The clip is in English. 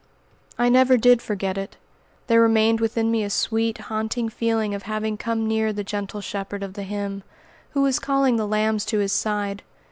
I never did forget it. There remained within me a sweet, haunting feeling of having come near the "gentle Shepherd" of the hymn, who was calling the lambs to his side.